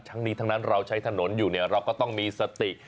ทั้งนี้ทั้งนั้นเราใช้ถนนอยู่เนี่ยเราก็ต้องมีสติ